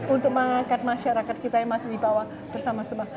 untuk mengangkat masyarakat kita yang masih di bawah bersama sama